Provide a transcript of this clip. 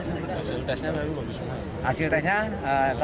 hasil tesnya bagus semua